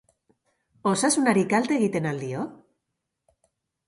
Osasunari kalte egiten al dio?